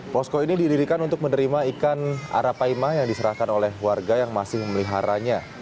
posko ini didirikan untuk menerima ikan arapaima yang diserahkan oleh warga yang masih memeliharanya